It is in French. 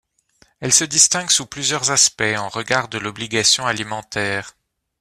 Elle se distingue sous plusieurs aspects en regard de l’obligation alimentaire.